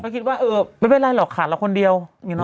ก็คิดว่าเออไม่เป็นไรหรอกขาดเราคนเดียว